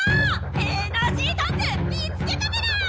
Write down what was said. エナジータンク見つけたメラ！